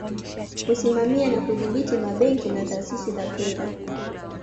Kusimamia na kudhibiti mabenki na taasisi za fedha